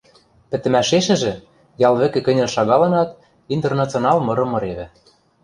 Пӹтӹмӓшешӹжӹ, ял вӹкӹ кӹньӹл шагалынат, «Интернационал» мырым мыревӹ.